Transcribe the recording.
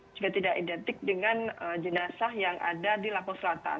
juga tidak identik dengan jenazah yang ada di lampung selatan